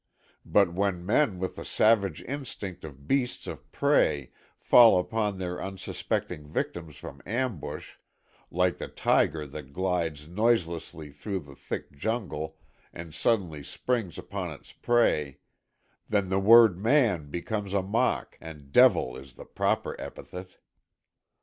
But when men with the savage instinct of beasts of prey fall upon their unsuspecting victims from ambush, like the tiger that glides noiselessly through the thick jungle and suddenly springs upon its prey, then the word man becomes a mock and devil is the proper epithet.